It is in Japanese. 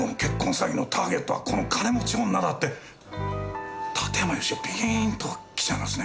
詐欺のターゲットはこの金持ち女だって館山義男ピーンときちゃいますね。